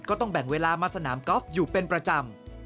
ก็ต้องแบ่งเวลามาสนามกอล์ฟอยู่เป็นประจำ